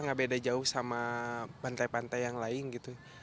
nggak beda jauh sama pantai pantai yang lain gitu